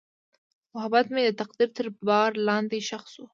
محبت مې د تقدیر تر بار لاندې ښخ شو.